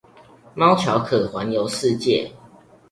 貓巧可環遊世界